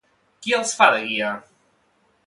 Qui els fa de guia?